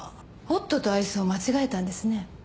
ホットとアイスを間違えたんですね。